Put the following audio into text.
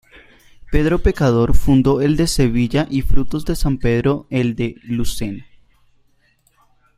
Pedro Pecador fundó el de Sevilla y Frutos de San Pedro el de Lucena.